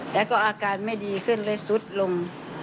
แล้วก็อาการไม่ดีขึ้นเลยสุดลง